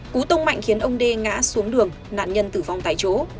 cú tông mạnh khiến ông đê ngã xuống đường nạn nhân tử vong tại chỗ